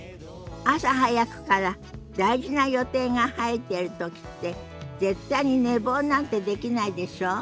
朝早くから大事な予定が入ってる時って絶対に寝坊なんてできないでしょ？